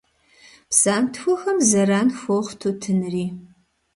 Псантхуэхэм зэран хуохъу тутынри.